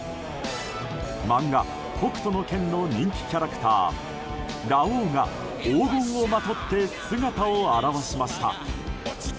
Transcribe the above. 漫画「北斗の拳」の人気キャラクターラオウが黄金をまとって姿を現しました。